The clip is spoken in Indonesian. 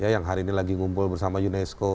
yang hari ini lagi ngumpul bersama unesco